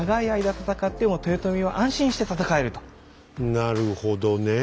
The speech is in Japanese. なるほどねえ。